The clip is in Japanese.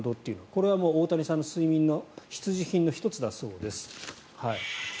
これは大谷さんの睡眠の必需品の１つだそうです。